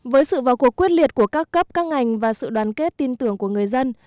với sự vào cuộc quyết liệt của các cấp các ngành và sự đoàn kết tin tưởng của người dân